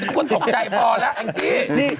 คนตกใจพอแล้วแองจี้